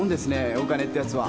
お金ってヤツは。